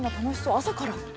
朝から！？」